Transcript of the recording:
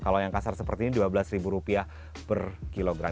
kalau yang kasar seperti ini rp dua belas per kilogram